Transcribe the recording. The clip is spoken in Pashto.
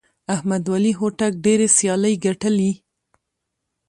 احمد ولي هوتک ډېرې سیالۍ ګټلي.